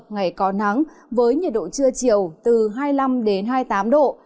ngày có nắng với nhiệt độ trưa chiều từ hai mươi năm hai mươi tám độ